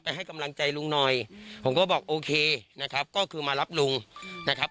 ให้กำลังใจลุงหน่อยผมก็บอกโอเคนะครับก็คือมารับลุงนะครับ